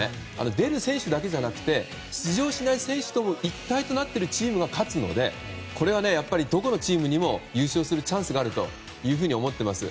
出る選手だけじゃなくて出場しない選手も一体となっているチームが勝つのでこれはどこのチームにも優勝するチャンスがあると思っています。